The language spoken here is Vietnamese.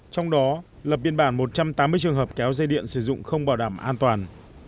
trong đó lập biên bản một trăm tám mươi trường hợp kéo dây điện sử dụng không bảo đảm an toàn